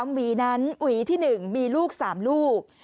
หวีนั้นหวีที่๑มีลูก๓ลูก